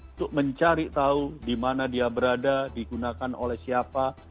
untuk mencari tahu dimana dia berada digunakan oleh siapa